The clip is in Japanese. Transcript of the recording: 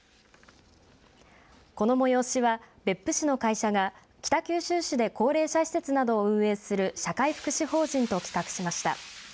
この催しは別府市の会社が、北九州市で高齢者施設などを運営する社会福祉法人と企画しました。